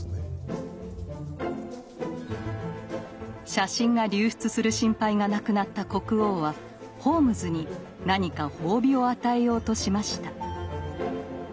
写真が流出する心配がなくなった国王はホームズに何か褒美を与えようとしました。